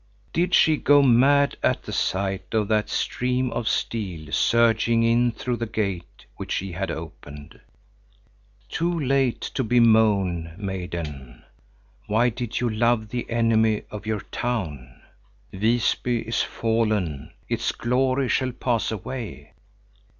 Did she go mad at the sight of that stream of steel surging in through the gate which she had opened? Too late to bemoan, maiden! Why did you love the enemy of your town? Visby is fallen, its glory shall pass away.